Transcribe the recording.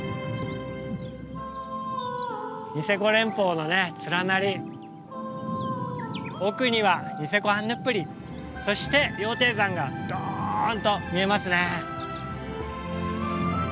ニセコ連峰の連なり奥にはニセコアンヌプリそして羊蹄山がどんと見えますね。